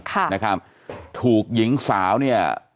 ค่ะนะครับถูกหญิงสาวเนี่ย